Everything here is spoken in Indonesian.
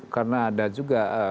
karena ada juga